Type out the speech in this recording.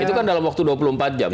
itu kan dalam waktu dua puluh empat jam